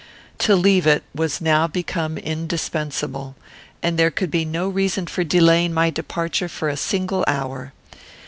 To leave it was now become indispensable, and there could be no reason for delaying my departure for a single hour.